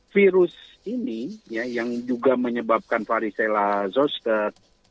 virus ini yang juga menyebabkan varicella zoster